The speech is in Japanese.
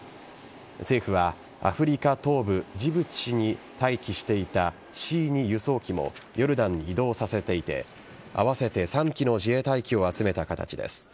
政府は、アフリカ東部ジブチに待機していたＣ‐２輸送機もヨルダンに移動させていて合わせて３機の自衛隊機を集めた形です。